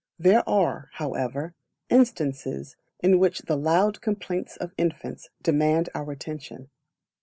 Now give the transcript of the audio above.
There are, however, Instances in which the loud complaints of infants demand our attention.